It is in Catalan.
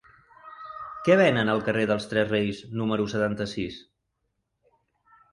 Què venen al carrer dels Tres Reis número setanta-sis?